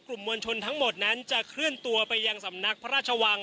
กลุ่มมวลชนทั้งหมดมันจะเคลื่อนบทธันตีไปยังสำนักพระราชวัง